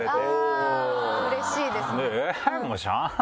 あぁうれしいですね。